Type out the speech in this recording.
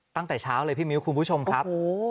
ตั้งแต่เช้าเลยพี่มิ้วคุณผู้ชมครับ